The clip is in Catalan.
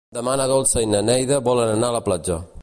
Demà na Dolça i na Neida volen anar a la platja.